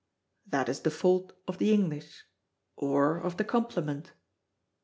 "That is the fault of the English, or of the compliment."